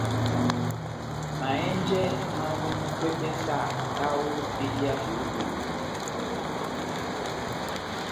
Mahɛ́njɛ máháhɔbɔnɔkwɛ pɛhɛ sahakahá ó epédi yá bohó-bohó.